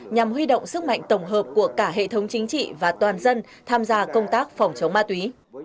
nhằm huy động sức mạnh tổng hợp của cả hệ thống chính trị và toàn dân tham gia công tác phòng chống ma túy